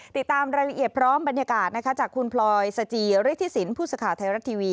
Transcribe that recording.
ติดตามรายละเอียดพร้อมบรรยากาศจากคุณพลอยสจีริฐศิลปุศคาไทยรัฐทีวี